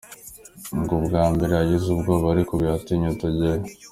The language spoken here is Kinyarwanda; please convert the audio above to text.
Ngo ubwa mbere yagize ubwoba ariko ubu yatinyutse ajyayo!